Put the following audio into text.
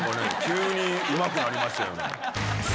急にうまくなりましたよね